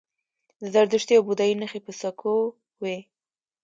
د زردشتي او بودايي نښې په سکو وې